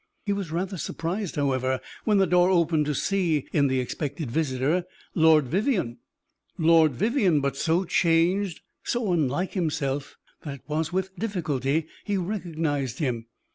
He was rather surprised, however, when the door opened, to see in the expected visitor Lord Vivianne! Lord Vivianne but so changed, so unlike himself, that it was with difficulty he recognized him.